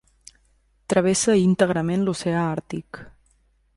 Travessa íntegrament l'Oceà Àrtic.